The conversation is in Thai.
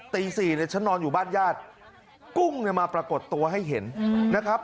ตี๔เนี่ยฉันนอนอยู่บ้านญาติกุ้งเนี่ยมาปรากฏตัวให้เห็นนะครับ